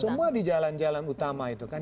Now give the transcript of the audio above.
semua di jalan jalan utama itu kan